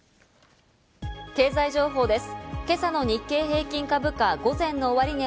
経済情報です。